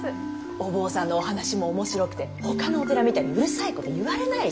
お坊さんのお話も面白くてほかのお寺みたいにうるさいこと言われないし。